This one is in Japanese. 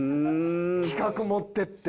企画持っていって。